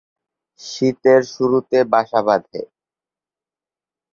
শীতের শুরুতে বাসা বাঁধে।